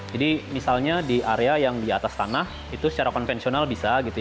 jadi misalnya di area yang di atas tanah itu secara konvensional bisa